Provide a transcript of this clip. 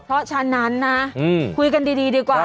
เพราะฉะนั้นนะคุยกันดีดีกว่า